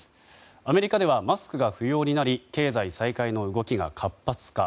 アメリカではマスクが不要になり経済再開の動きが活発化。